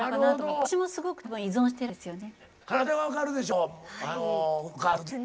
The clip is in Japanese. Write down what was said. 私もすごく多分依存してるんですよね。